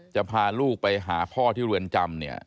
จะพาลูกไปหาพ่อที่เรือนจำเนี่ย